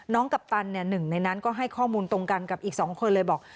กัปตันหนึ่งในนั้นก็ให้ข้อมูลตรงกันกับอีก๒คนเลยบอก